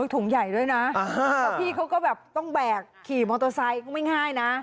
ถุงใหญ่ด้วยนะแล้วพี่เขาก็แบบต้องแบกขี่มอเตอร์ไซค์ก็ไม่ง่ายนะ